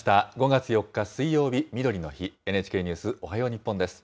５月４日水曜日みどりの日、ＮＨＫニュースおはよう日本です。